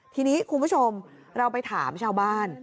ทีนี้คุณผู้ชมเราไปถามชาวบ้าน